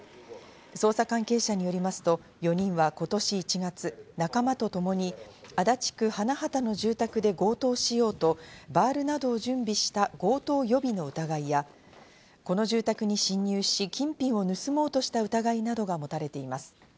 捜査関係者によりますと４人は今年１月、仲間とともに足立区花畑の住宅で強盗しようと、バールなどを準備した強盗予備の疑いや、この住宅に侵入し、金品を盗もうとした疑いなどが持たれています。